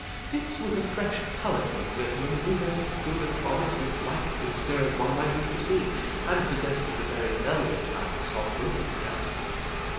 This was a fresh coloured young gentleman, with as good a promise of light whisker as one might wish to see, and possessed of a very velvet like, soft looking countenance.